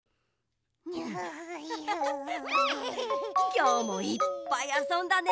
きょうもいっぱいあそんだね。